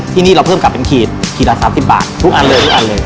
ที่นี่เราเพิ่มกลับเป็นขีดขีดละ๓๐บาททุกอันเลยทุกอันเลย